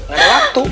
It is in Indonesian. gak ada waktu